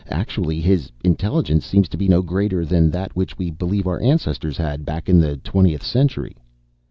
"Actually, his intelligence seems to be no greater than that which we believe our ancestors had, back in the twentieth century."